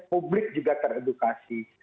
publik juga teredukasi